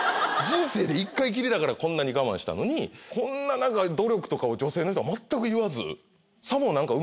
人生で１回きりだからこんなに我慢したのにこんな何か努力とかを女性の人は全く言わず。